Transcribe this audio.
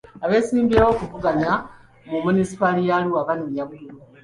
Abeesimbyewo okuvuganya mu Munisipaali ya Arua banoonya bululu.